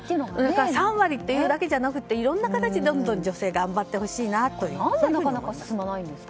３割というだけじゃなくていろんな形でどんどん女性は頑張ってほしいです。